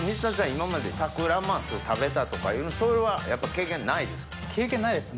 今までサクラマス食べたとかそれはやっぱ経験ないです？